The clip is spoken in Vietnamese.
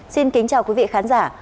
xin kính chào quý vị khán giả